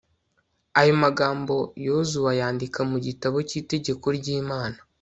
ayo magambo yozuwe ayandika mu gitabo cy'itegeko ry'imana